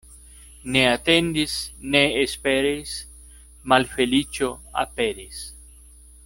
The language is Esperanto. Ne atendis, ne esperis — malfeliĉo aperis.